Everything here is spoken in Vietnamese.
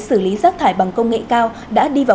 xử lý rác thải bằng công nghệ cao đã đi vào